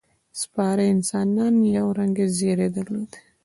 سپاره انسانان یو رنګه ځېرې درلودې.